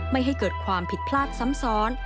ไม่ให้เกิดความผิดพลาดซ้ำซ้อน